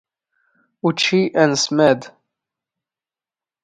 ⵓⵜⵛⵉ ⴰⵏⵙⵎⴰⴷ.